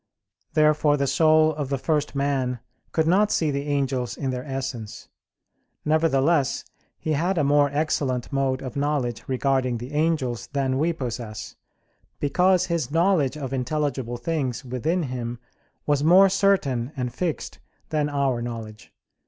Therefore the soul of the first man could not see the angels in their essence. Nevertheless he had a more excellent mode of knowledge regarding the angels than we possess, because his knowledge of intelligible things within him was more certain and fixed than our knowledge.